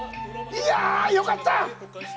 いやあ、よかった！